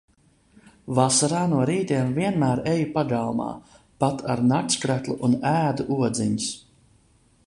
Vasarā no rītiem vienmēr eju pagalmā pat ar naktskreklu un ēdu odziņas.